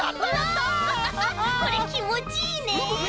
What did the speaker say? これきもちいいね！